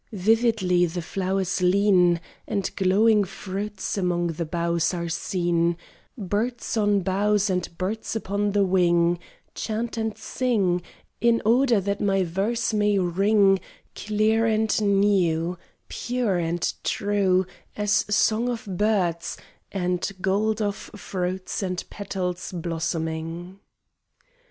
Vividly the flowers lean, And glowing fruits among the boughs are seen, Birds on boughs and birds upon the wing Chant and sing In order that my verse may ring Clear and new, pure and trues As song of birds, And gold of fruits and petals blossoming.